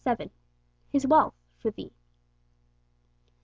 His Wealth 'for thee.'